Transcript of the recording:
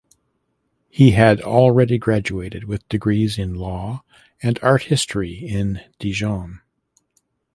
He had already graduated with degrees in law and art history in Dijon.